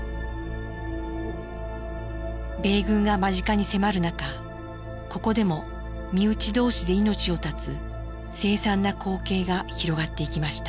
米軍が間近に迫る中ここでも身内同士で命を絶つ凄惨な光景が広がっていきました。